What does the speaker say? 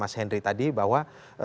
mas hendry tadi bahwa